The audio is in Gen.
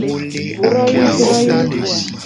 Droyii droyii.